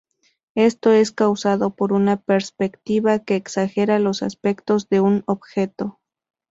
Esto es causado por una perspectiva que exagera los aspectos de un objeto.